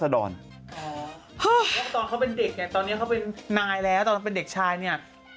แล้วตอนเขาเป็นเด็กเนี่ยตอนนี้เขาเป็นนายแล้วตอนเป็นเด็กชายเนี่ย